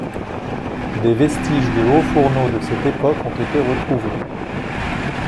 Des vestiges de hauts-fourneaux de cette époque ont été retrouvés.